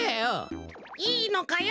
いいのかよ